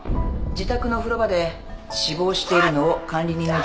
自宅の風呂場で死亡しているのを管理人の女性が発見。